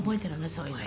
そういうの」